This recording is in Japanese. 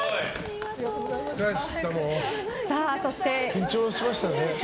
緊張しましたね。